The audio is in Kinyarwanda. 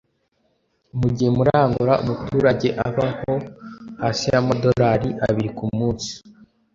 Mu gihe muri Angola umuturage abaho hasi y’amadolari abiri ku munsi